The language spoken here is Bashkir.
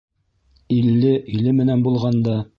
Илле иле менән булғанда